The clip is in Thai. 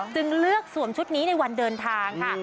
จึงเลือกสวมชุดนี้ในวันเดินทางค่ะ